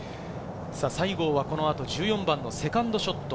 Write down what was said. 西郷はこの後、１４番のセカンドショット。